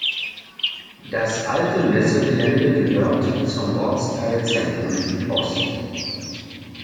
Das Alte Messegelände gehört zum Ortsteil Zentrum-Südost.